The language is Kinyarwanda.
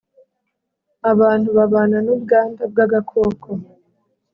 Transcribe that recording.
abantu babana n' ubwanda bw'agakoko